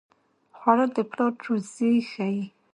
خوړل د پلار روزي ښيي